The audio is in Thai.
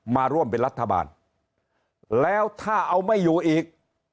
มาร่วมเป็นรัฐบาลแล้วถ้าเอาไม่อยู่อีก